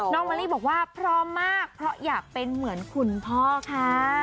มะลี่บอกว่าพร้อมมากเพราะอยากเป็นเหมือนคุณพ่อค่ะ